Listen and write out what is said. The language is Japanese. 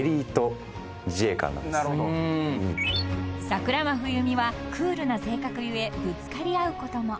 ［桜間冬美はクールな性格故ぶつかり合うことも］